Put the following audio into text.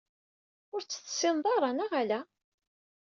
Ur tt-tessineḍ ara, neɣ ala?